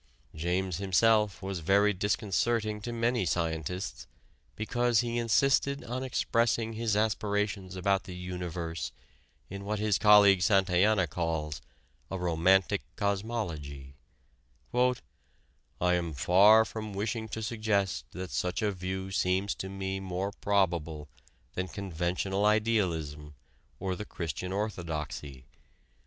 James himself was very disconcerting to many scientists because he insisted on expressing his aspirations about the universe in what his colleague Santayana calls a "romantic cosmology": "I am far from wishing to suggest that such a view seems to me more probable than conventional idealism or the Christian Orthodoxy.